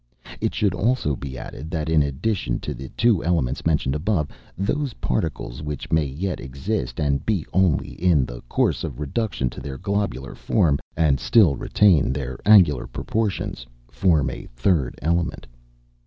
It should also be added, that in addition to the two elements mentioned above, those particles which may yet exist, and be only in the course of reduction to their globular form an it still retain their angular proportions, form a third element.